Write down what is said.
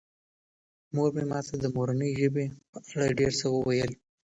مور مې ماته د مورنۍ ژبې په اړه ډېر څه وویل.